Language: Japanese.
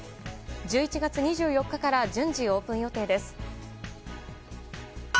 １１月２４日から順次オープン予定です。